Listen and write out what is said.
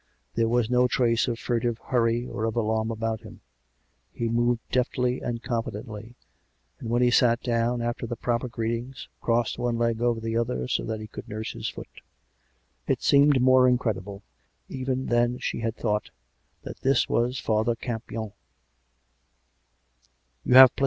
There was no trace of furtive hurry or of alarm about him; he moved deftly and confidently ; and when he sat down, after the proper greetings, crossed one leg over the other, so that he could nurse his foot. It seemed more incredible even than she had thought, that this wasp Father Campion !